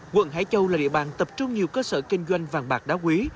quận hải châu là địa bàn tập trung nhiều cơ sở kinh doanh vàng bạc đá quý